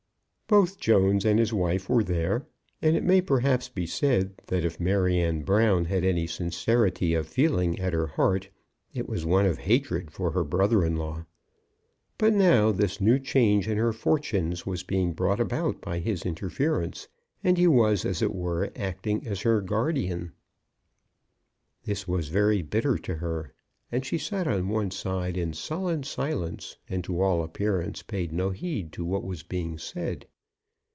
Both Jones and his wife were there; and it may perhaps be said, that if Maryanne Brown had any sincerity of feeling at her heart, it was one of hatred for her brother in law. But now, this new change in her fortunes was being brought about by his interference, and he was, as it were, acting as her guardian. This was very bitter to her, and she sat on one side in sullen silence, and to all appearance paid no heed to what was being said.